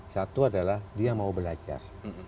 satu adalah dia mau belajar